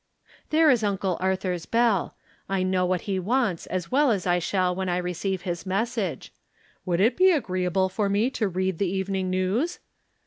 There is Uncle Arthur's bell. I know what he wants as well as I shall when I receive his message :" Would it be agreeable for me to read the evening news